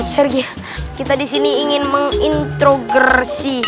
sergi kita disini ingin mengintrogersi